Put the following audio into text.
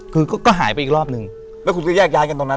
คือก็หายไปอีกรอบนึงแล้วคุณก็แยกย้ายกันตรงนั้น